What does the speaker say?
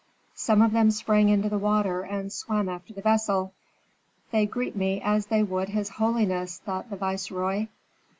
Some of them sprang into the water and swam after the vessel. "They greet me as they would his holiness," thought the viceroy.